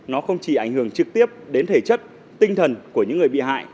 nó không chỉ ảnh hưởng trực tiếp đến thể chất tinh thần của những người bị hại